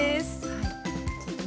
はい。